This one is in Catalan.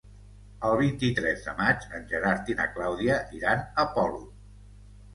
El vint-i-tres de maig en Gerard i na Clàudia iran a Polop.